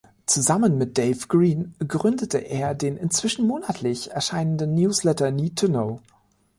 Zusammen mit Dave Green gründete er den inzwischen monatlich erscheinenden Newsletter "Need To Know".